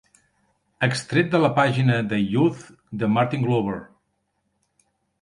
Extret de la pàgina de Youth de Martin Glover.